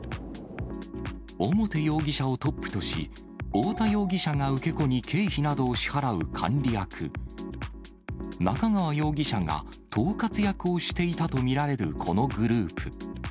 表容疑者をトップとし、太田容疑者が受け子に経費などを支払う管理役、中川容疑者が統括役をしていたと見られるこのグループ。